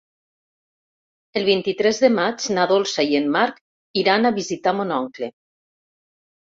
El vint-i-tres de maig na Dolça i en Marc iran a visitar mon oncle.